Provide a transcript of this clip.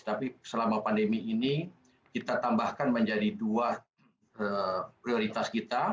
tapi selama pandemi ini kita tambahkan menjadi dua prioritas kita